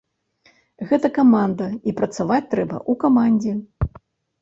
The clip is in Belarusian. Гэта каманда і працаваць трэба ў камандзе.